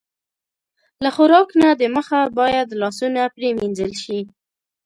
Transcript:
له خوراک نه د مخه باید لاسونه پرېمنځل شي.